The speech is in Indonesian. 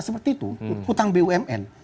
seperti itu hutang bumn